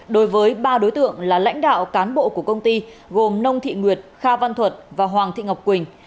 đối với ba đối tượng là lãnh đạo cán bộ của công ty gồm nông thị nguyệt kha văn thuật và hoàng thị ngọc quỳnh